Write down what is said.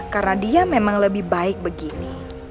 karena dia memang lebih baik begini